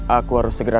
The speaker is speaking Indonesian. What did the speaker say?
aku harus segera